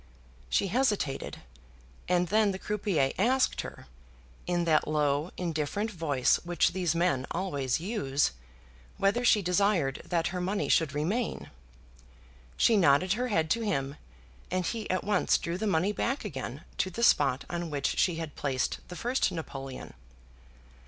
She hesitated, and then the croupier asked her, in that low, indifferent voice which these men always use, whether she desired that her money should remain. She nodded her head to him, and he at once drew the money back again to the spot on which she had placed the first napoleon.